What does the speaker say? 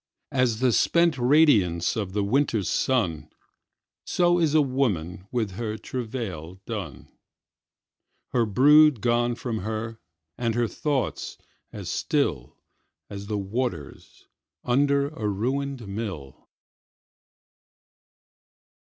As the spent radianceOf the winter sun, So is a womanWith her travail done. Her brood gone from her, And her thoughts as stillAs the watersUnder a ruined mill.